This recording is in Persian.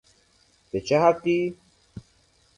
به چه حقی؟